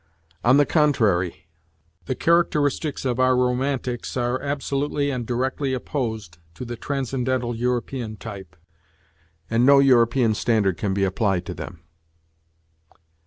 On the contrary, the characteristics of our " romantics " are absolutely and directly opposed to the transcendental European type, and no European standard can be applied to them.